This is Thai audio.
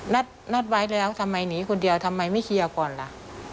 นัดไว้แล้วทำไมหนีคนเดียวทำไมไม่เคลียร์ก่อนล่ะ